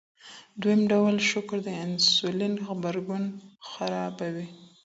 دویم ډول شکر د انسولین غبرګون خرابوي.